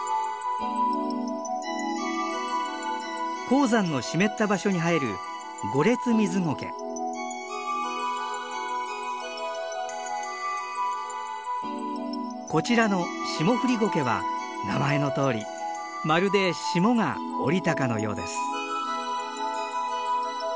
高山の湿った場所に生えるこちらのシモフリゴケは名前のとおりまるで霜が降りたかのようです。